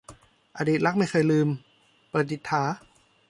อดีตรักไม่เคยลืม - ประดิษฐา